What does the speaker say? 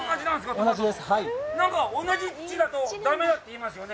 同じ土だとだめだって言いますよね。